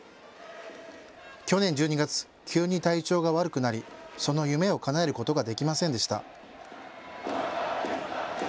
去年１２月、急に体調が悪くなりその夢をかなえることができませんでした。